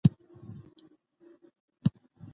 ټولنه طبقاتي وه.